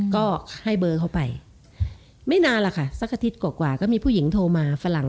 ก็ให้เบอร์เขาไปไม่นานหรอกค่ะสักอาทิตย์กว่าก็มีผู้หญิงโทรมาฝรั่ง